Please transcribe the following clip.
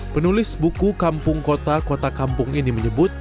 penulis buku kampung kota kota kampung ini menyebut